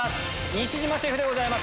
西島シェフでございます